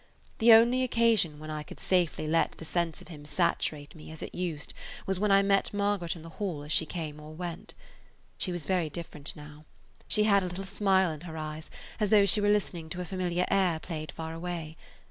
The only occasion when I could safely let the sense of him saturate me as it used was when I met Margaret in the hall as she came or went. She was very different now; she had a little smile in her eyes, as though she were listening to a familiar air played far away.